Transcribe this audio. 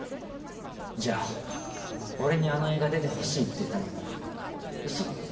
じゃあ俺にあの映画出てほしいって言ったのもウソだったの？